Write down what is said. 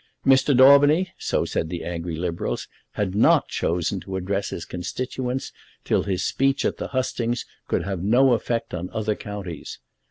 Mr. Daubeny, so said the angry Liberals, had not chosen to address his constituents till his speech at the hustings could have no effect on other counties.